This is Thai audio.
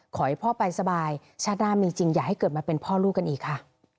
ขอให้พ่อไปสบายชาติหน้ามีจริงอย่าให้เกิดมาเป็นพ่อลูกกันอีกค่ะ